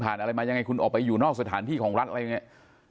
เดี๋ยวคุณผ่านอะไรมายังไงคุณออกไปอยู่นอกสถานที่ของรัฐอะไรอย่างนี้